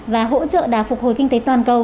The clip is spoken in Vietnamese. và hỗ trợ đà phục hồi kinh tế toàn cầu